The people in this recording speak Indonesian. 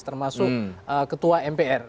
termasuk ketua mpr